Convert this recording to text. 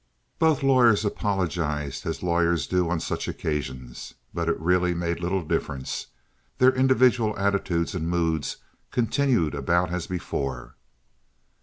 Both lawyers apologized as lawyers do on such occasions, but it really made but little difference. Their individual attitudes and moods continued about as before.